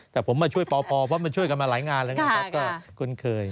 แต่ผมมาช่วยปปเพราะมันช่วยกันมาหลายงานแล้วไงครับก็คุ้นเคย